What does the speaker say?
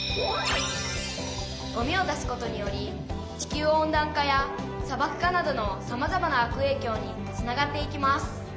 「ゴミを出すことにより地球温暖化やさばく化などのさまざまな悪影響につながっていきます」。